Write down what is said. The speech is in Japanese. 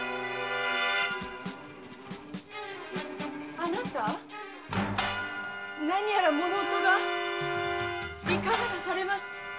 あなた何やら物音がいかがなされました？